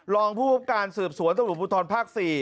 รองผู้พบการณ์สืบสวนสมุทรภาค๔